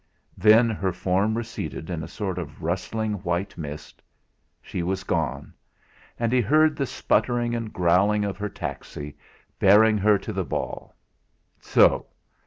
Then her form receded in a sort of rustling white mist; she was gone; and he heard the sputtering and growling of her taxi, bearing her to the ball. So!